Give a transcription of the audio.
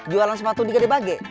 jualan sepatu digede bage